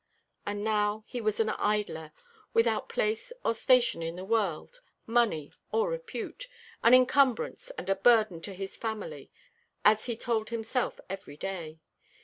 And now he was an idler, without place or station in the world, money, or repute, an encumbrance and a burden to his family, as he told himself every day.